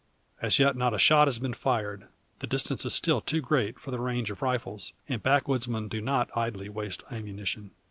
As yet not a shot has been fired. The distance is still too great for the range of rifles, and backwoodsmen do not idly waste ammunition.